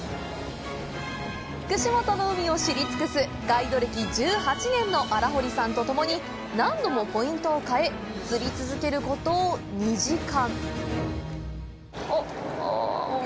串本の海を知り尽くすガイド歴１８年の荒堀さんと共に何度もポイントを変え釣り続けること２時間。